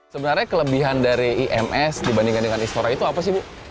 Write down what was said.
sebenarnya kelebihan dari ims dibandingkan dengan istora itu apa sih bu